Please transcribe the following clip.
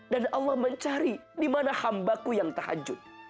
dan allah mencari dimana hambaku yang tahajud